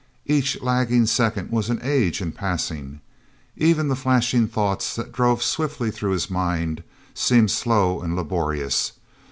Each lagging second was an age in passing. Even the flashing thoughts that drove swiftly through his mind seemed slow and laborious.